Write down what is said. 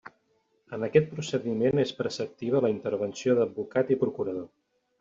En aquest procediment és preceptiva la intervenció d'advocat i procurador.